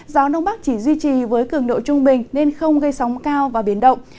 gió đông bắc chỉ duy trì với cường độ trung bình nên không gây sóng cao và biển động